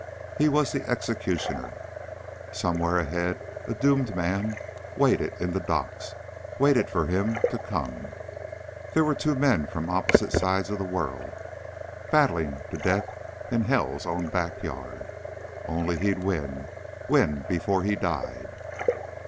He was the executioner. Somewhere ahead a doomed man waited in the docks ... waited for him to come. They were two men from opposite sides of the world, battling to death in Hell's own backyard. Only he'd win ... win before he died.